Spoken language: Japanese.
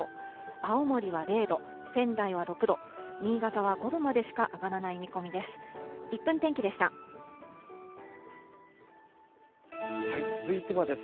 青森は０度、仙台は６度、新潟は５度までしか上がらない見込みです。